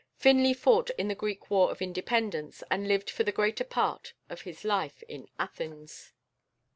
Finlay fought in the Greek War of Independence, and lived for the greater part of his life in Athens.